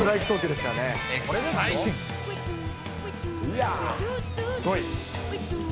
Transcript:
すごい。